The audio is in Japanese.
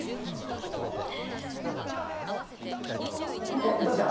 えっ、どうした？